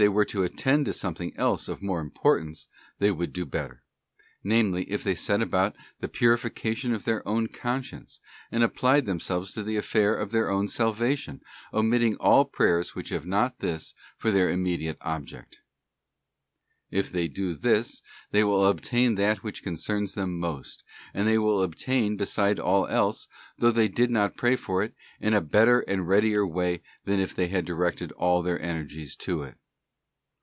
were to attend to something else of more importance, they would do better: namely, if they set about the purification of ' their own conscience, and applied themselves to the affair of their own salvation, omitting all prayers which have not this for their immediate object. If they do this, they will obtain that which concerns them most, and they will obtain beside all else, though they did not pray for it, in a better and readier way than if they had directed all their energies to it.